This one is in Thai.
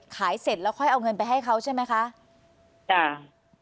เสร็จแล้วค่อยเอาเงินไปให้เขาใช่ไหมคะจ้ะ